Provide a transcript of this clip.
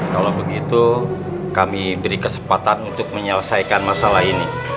kalau begitu kami beri kesempatan untuk menyelesaikan masalah ini